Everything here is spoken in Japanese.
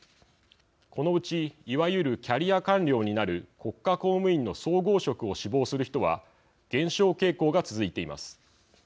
このうち、いわゆるキャリア官僚になる国家公務員の総合職を志望する人は減少傾向が続いています。